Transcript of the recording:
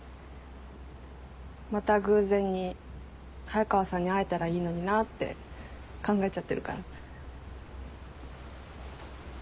また偶然に早川さんに会えたらいいのになって考えちゃってるから。